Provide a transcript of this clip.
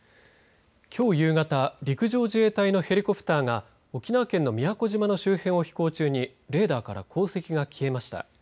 きょう夕方陸上自衛隊のヘリコプターが沖縄県の宮古島の周辺を飛行中にレーダーから航跡が消えました。